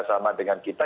sama dengan kita